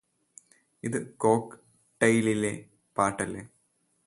ഇത് കോക്ക്ട്ടൈലിലെ പാട്ടല്ലേ